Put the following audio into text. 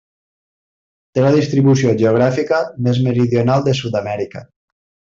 Té la distribució geogràfica més meridional de Sud-amèrica.